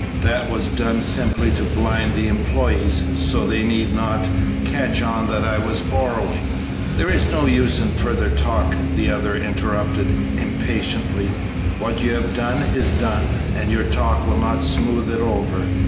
"That was done simply to blind the employees, so they need not catch on that I was borrowing." "There is no use in further talk," the other interrupted, impatiently; "what you have done is done, and your talk will not smooth it over.